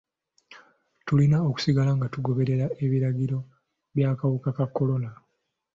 Tulina okusigala nga tugoberera ebiragiro by'akawuka ka kolona.